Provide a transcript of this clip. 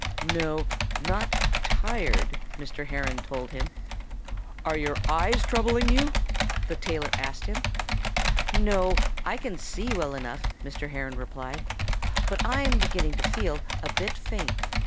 "No not tired," Mr. Heron told him. "Are your eyes troubling you?" the tailor asked him. "No I can see well enough," Mr. Heron replied. "But I'm beginning to feel a bit faint.